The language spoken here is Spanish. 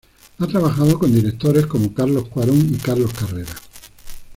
Ha trabajado con directores como Carlos Cuarón y Carlos Carrera.